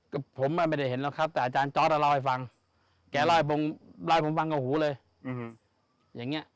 ก็ผมไม่ได้เห็นหรอกครับแต่อาจารย์จอร์ดเล่าให้ฟังแกเล่าให้ผมฟังกับหูเลยอย่างเงี้ย